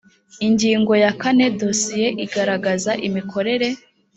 ingingo ya kane dosiye igaragaza imikorere